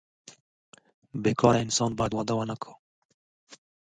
بې کاره انسان باید واده ونه کړي.